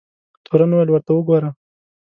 تورن وویل ورته وګوره.